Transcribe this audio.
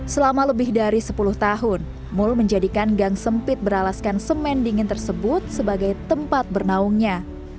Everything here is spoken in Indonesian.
selama lebih dari sepuluh tahun mul menjadikan gang sempit beralaskan semen dingin tersebut sebagai tempat bernaungnya